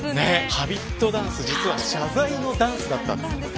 Ｈａｂｉｔダンス、実は謝罪のダンスだったんです。